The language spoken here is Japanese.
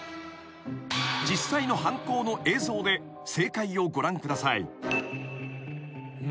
［実際の犯行の映像で正解をご覧ください］